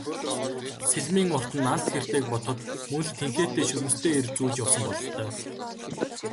Сэлмийн урт нь алд хэртэйг бодоход мөн л тэнхээтэй шөрмөстэй эр зүүж явсан бололтой.